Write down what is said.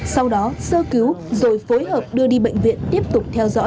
sau đó sơ cứu rồi phối hợp đưa đi bệnh viện tiếp tục